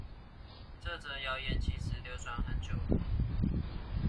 這則謠言其實流傳很久了